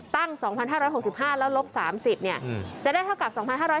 ตั้ง๒๕๖๕แล้วลบ๓๐จะได้เท่ากับ๒๕๕๙